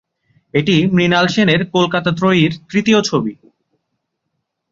এটি মৃণাল সেনের কলকাতা ত্রয়ীর তৃতীয় ছবি।